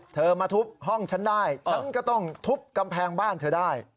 มาทุบห้องฉันได้ฉันก็ต้องทุบกำแพงบ้านเธอได้